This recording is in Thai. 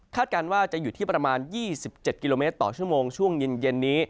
การว่าจะอยู่ที่ประมาณ๒๗กิโลเมตรต่อชั่วโมงช่วงเย็นนี้